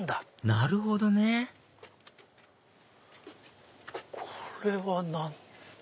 なるほどねこれは何？